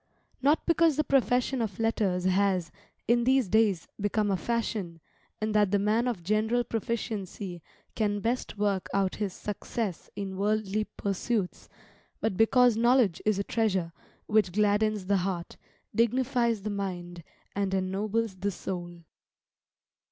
Not because the profession of letters has, in these days, become a fashion, and that the man of general proficiency can best work out his success in worldly pursuits; but because knowledge is a treasure which gladdens the heart, dignifies the mind, and ennobles the soul.